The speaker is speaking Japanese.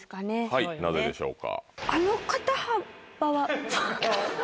はいなぜでしょうか？